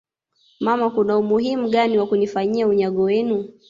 mama Kuna umuhimu gani wa kunifanyia unyago wenu